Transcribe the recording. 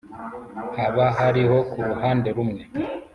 haba hariho ku ruhande rumwe